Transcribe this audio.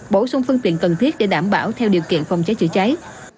bổ sung phương tiện cần thiết để đảm bảo theo điều kiện phòng cháy chữa cháy